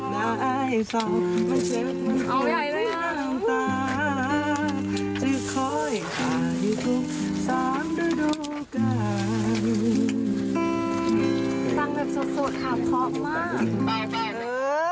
ตังค์แบบสุดค่ะพร้อมมาก